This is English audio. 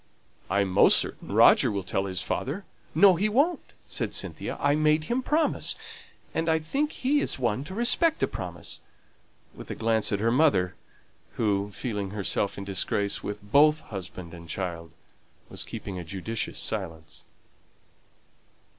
"I'm almost certain Roger will tell his father." "No, he won't," said Cynthia; "I made him promise, and I think he is one to respect a promise" with a glance at her mother, who, feeling herself in disgrace with both husband and child, was keeping a judicious silence.